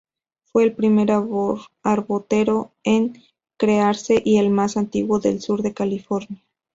Fue el primer arboreto en crearse y el más antiguo del sur de California.